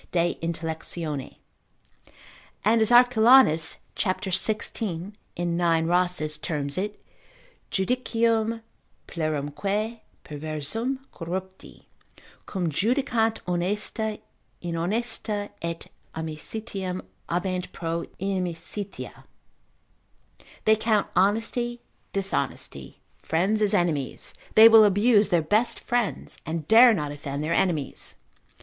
de Intell. And as Arculanus, c. 16. in 9. Rhasis, terms it, Judicium plerumque perversum, corrupti, cum judicant honesta inhonesta, et amicitiam habent pro inimicitia: they count honesty dishonesty, friends as enemies, they will abuse their best friends, and dare not offend their enemies.